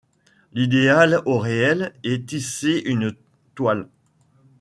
L’idéal au réel, et tisser une-’toile